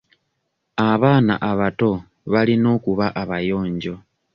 Abaana abato balina okuba abayonjo.